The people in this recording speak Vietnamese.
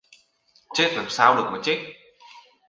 chết làm sao được mà chết